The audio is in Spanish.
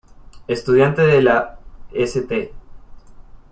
Estudiante de la St.